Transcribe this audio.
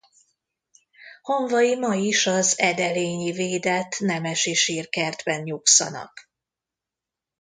Hamvai ma is az edelényi védett nemesi sírkertben nyugszanak.